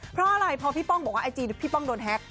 เพราะอะไรพอพี่ป้องบอกว่าไอจีพี่ป้องโดนแฮ็ก